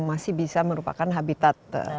masih bisa merupakan habitat